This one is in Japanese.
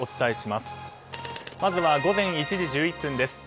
まずは午前１時１１分です。